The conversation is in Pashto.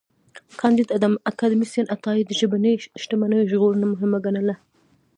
کانديد اکاډميسن عطايی د ژبني شتمنیو ژغورنه مهمه ګڼله.